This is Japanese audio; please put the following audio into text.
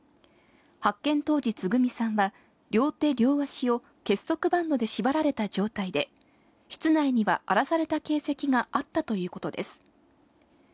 発見当時、つぐみさんは両手、両足を結束バンドで縛られた状態で、室内には荒らされた形跡があったということです。